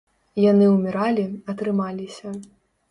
Яны ўміралі, а трымаліся.